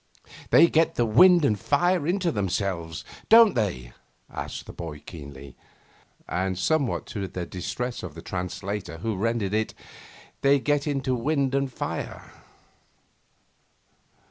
'They get the wind and fire into themselves, don't they?' asked the boy keenly, and somewhat to the distress of the translator who rendered it, 'They get into wind and fire.